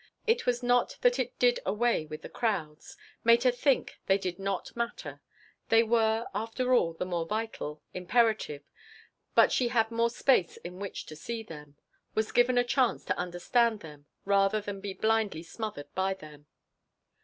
It was not that it did away with the crowds made her think they did not matter; they were, after all, the more vital imperative but she had more space in which to see them, was given a chance to understand them rather than be blindly smothered by them.